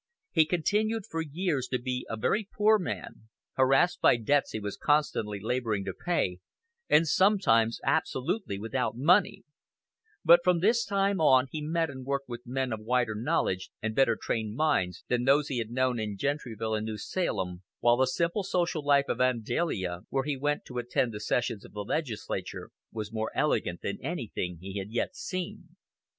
He continued for years to be a very poor man, harassed by debts he was constantly laboring to pay, and sometimes absolutely without money: but from this time on he met and worked with men of wider knowledge and better trained minds than those he had known in Gentryville and New Salem, while the simple social life of Vandalia, where he went to attend the sessions of the legislature, was more elegant than anything he had yet seen.